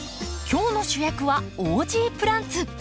今日の主役はオージープランツ。